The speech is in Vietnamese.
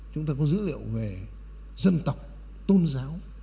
chúng ta có dữ liệu về dân tộc tôn giáo